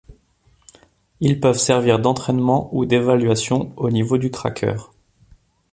Ils peuvent servir d'entraînement ou d'évaluation du niveau du cracker.